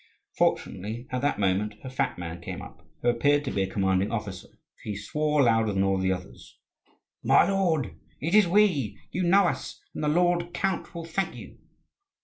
Fortunately, at that moment a fat man came up, who appeared to be a commanding officer, for he swore louder than all the others. "My lord, it is we! you know us, and the lord count will thank you."